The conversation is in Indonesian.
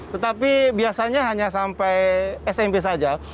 tetapi biasanya hanya sampai smp saja